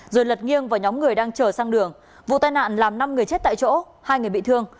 rồi lật nghiêng vào nhóm người đang chờ sang đường vụ tai nạn làm năm người chết tại chỗ hai người bị thương